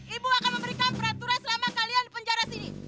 ibu akan memberikan peraturan selama kalian penjara sini